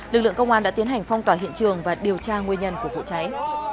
lực lượng công an đã tiến hành phong tỏa hiện trường và điều tra nguyên nhân của vụ cháy